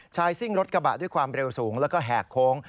ซิ่งรถกระบะด้วยความเร็วสูงแล้วก็แหกโค้ง